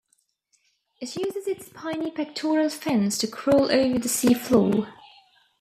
It uses its spiny pectoral fins to crawl over the sea floor.